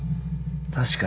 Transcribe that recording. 確かに。